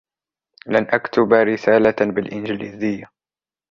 لن أكتب رسالة بالإنجليزية.